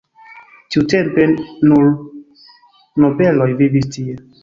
Tiutempe nur nobeloj vivis tie.